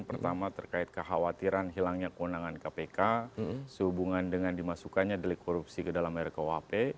pertama terkait kekhawatiran hilangnya kewenangan kpk sehubungan dengan dimasukkannya delik korupsi ke dalam rkuhp